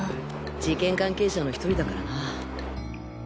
事件関係者の１人だからな。